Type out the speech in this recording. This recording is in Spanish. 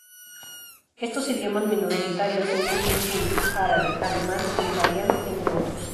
Estos idiomas minoritarios incluyen chino, árabe, alemán e italiano, entre otros.